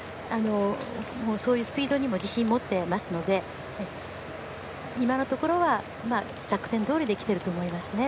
そういうスピードにも自信を持っていますので今のところは作戦どおりできていると思います。